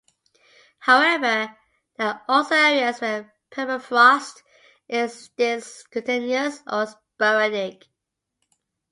However, there are also areas where permafrost is discontinuous or sporadic.